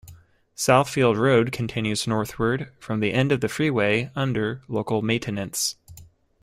Southfield Road continues northward from the end of the freeway under local maintenance.